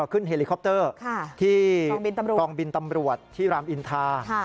เฮลิคอปเตอร์ที่กองบินตำรวจที่รามอินทา